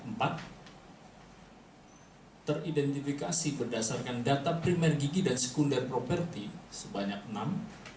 empat teridentifikasi berdasarkan data primer gigi dan sekunder properti sebanyak enam